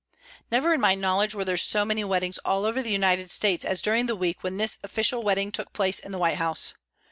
Never in my knowledge were there so many weddings all over the United States as during the week when this official wedding took place in the White House.